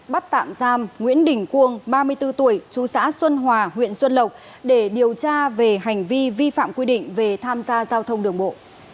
bắt tạm giam nguyễn đình cuông ba mươi bốn tuổi chú xã xuân hòa huyện xuân lộc để điều tra về hành vi vi phạm quy định về tham gia giao thông đường bộ